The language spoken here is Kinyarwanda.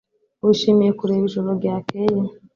Wishimiye kureba ijoro ryakeye?